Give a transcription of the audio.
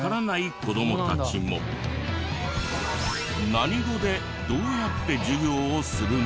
何語でどうやって授業をするの？